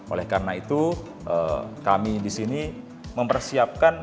oleh karena itu kami disini mempersiapkan